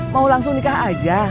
mau langsung nikah aja